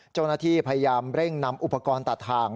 เจ้าหน้าที่พยายามเร่งนำอุปกรณ์ตัดทาง